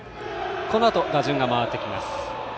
このあと打順が回ってきます。